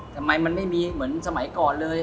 ทำไมมันไม่มีเหมือนสมัยก่อนเลย